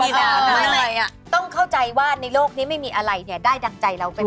ต้องเข้าใจว่าในโลกนี้ไม่มีอะไรเนี่ยได้ดังใจเราไปหมด